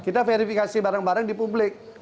kita verifikasi bareng bareng di publik